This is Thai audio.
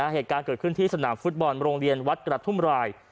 เหตุการณ์เกิดขึ้นที่สนามฟุตบอลโรงเรียนวัดกระทุ่มราย